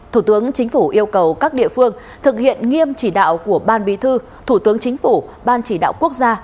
thủ tướng chính phủ yêu cầu các địa phương thực hiện nghiêm chỉ đạo của ban bí thư thủ tướng chính phủ ban chỉ đạo quốc gia